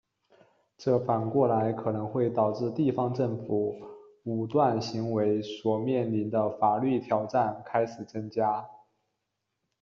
这反过来可能会导致地方政府武断行为所面临的法律挑战开始增加。